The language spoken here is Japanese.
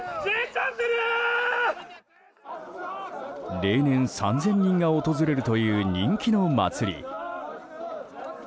例年３０００人が訪れるという人気の祭り。